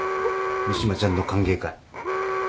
三島ちゃんの歓迎会。